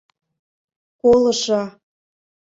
Колышо.